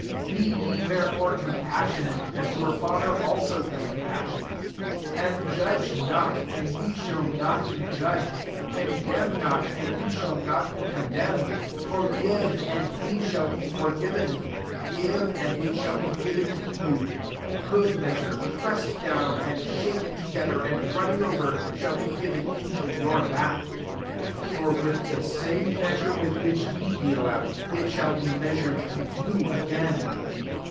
36 « Be ye Itherefore] com i»ionate, as your Father also compassionate. 37 And judge »t, aikl ye shall not be judged: »ndemn not, and ye shall not i condemned : forgive, and ye lall be forgiven : 38 give, and shaO be given to you : good easure, pressed down, and taken together, and running er, shall be given into your p. For with the same measure ith which ye deal out, it shall i measured to you again.